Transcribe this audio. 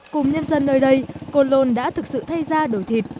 cùng nhân dân nơi đây côn lôn đã thực sự thay ra đổi thịt